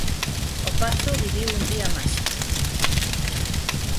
O Pazo viviu un día máxico.